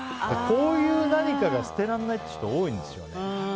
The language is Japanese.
こういう何かが捨てられない人多いんですよね。